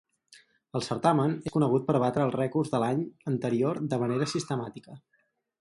El certamen és conegut per batre els rècords de l'any anterior de manera sistemàtica.